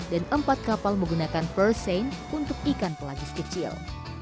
dan empat kapal menggunakan furseing untuk ikan pelagis kecil